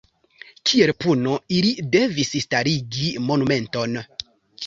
Kiel puno ili devis starigi monumenton.